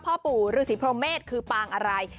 พ่อปู่ฤษีพรหมเมษคือปางอะไร